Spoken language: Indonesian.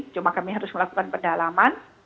cuma kami harus melakukan pendalaman